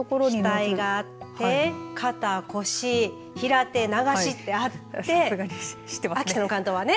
額があって、肩、腰平手流してあって秋田の竿燈はね。